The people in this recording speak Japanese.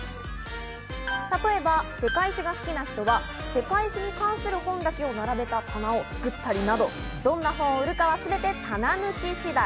例えば世界史が好きな人は世界史に関する本だけを並べた棚を作ったりなど、どんな本を売るかは、全て棚主次第。